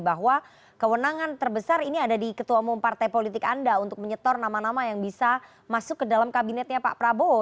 bahwa kewenangan terbesar ini ada di ketua umum partai politik anda untuk menyetor nama nama yang bisa masuk ke dalam kabinetnya pak prabowo